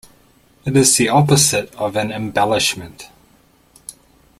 It is the opposite of an embellishment.